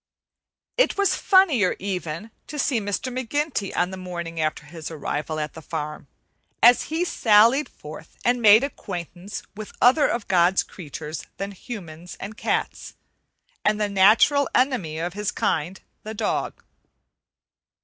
It was funnier, even, to see Mr. McGinty on the morning after his arrival at the farm, as he sallied forth and made acquaintance with other of God's creatures than humans and cats, and the natural enemy of his kind, the dog.